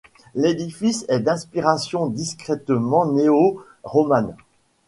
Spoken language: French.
L'édifice est d'inspiration discrètement Néo-romane.